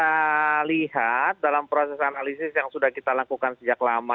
kita lihat dalam proses analisis yang sudah kita lakukan sejak lama